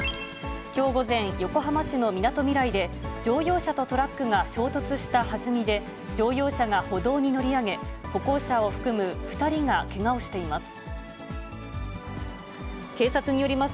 きょう午前、横浜市のみなとみらいで、乗用車とトラックが衝突したはずみで、乗用車が歩道に乗り上げ、歩行者を含む２人がけがをしています。